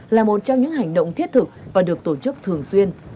là một trong những hành động thiết thực và được tổ chức thường xuyên